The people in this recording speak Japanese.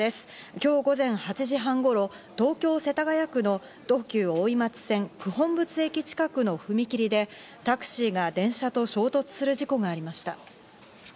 今日午前８時半頃、東京・世田谷区の東急大井町線、九品仏駅近くの踏み切りでタクシーが電車と衝突する事故がありました。